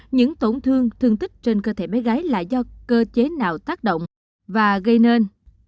những tổn thương thương tích trên cơ thể bé gái là do cơ chế nào tác động và gây nên